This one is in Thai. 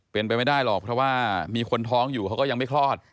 เป็นไปไม่ได้หรอกเพราะว่ามีคนท้องอยู่เขาก็ยังไม่คลอด